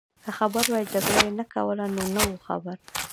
که خبر وای جګړه يې نه کول، نو نه وو خبر.